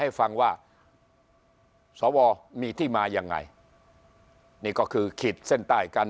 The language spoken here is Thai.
ให้ฟังว่าสวมีที่มายังไงนี่ก็คือขีดเส้นใต้กัน